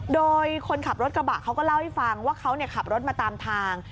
โดยคนขับรถกระบะเขาก็เล่าให้ฟังว่าเขาขับรถมาตามทาง